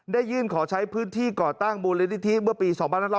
ได้ยื่นขอใช้พื้นที่ก่อตั้งมูลนิธิเมื่อปี๒๕๖๐